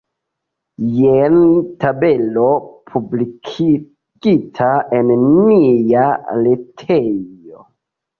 Jen tabelo, publikigita en nia retejo.